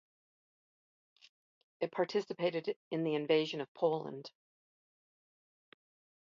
It participated in the invasion of Poland.